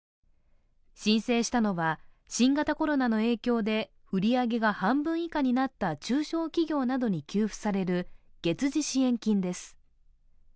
申請したのは新型コロナの影響で売り上げが半分以下になった中小企業などに給付される月次支援金です。